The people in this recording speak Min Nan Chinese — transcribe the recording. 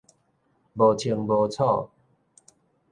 無清無楚